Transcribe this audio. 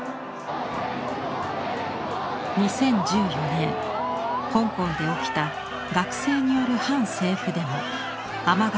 ２０１４年香港で起きた学生による反政府デモ「雨傘運動」。